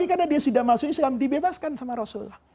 saya akan berbicara dengan rasulullah